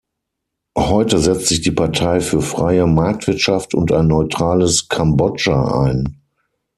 Heute setzt sich die Partei für freie Marktwirtschaft und ein neutrales Kambodscha ein.